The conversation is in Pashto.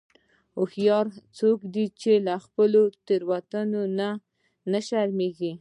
هوښیار څوک دی چې له خپلو تېروتنو نه و نه شرمیږي.